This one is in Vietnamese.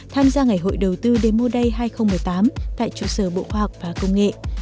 tham gia ngày hội đầu tư demo day hai nghìn một mươi tám tại trụ sở bộ khoa học và công nghệ